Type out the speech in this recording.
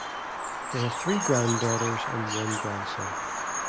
They have three granddaughters, and one grandson.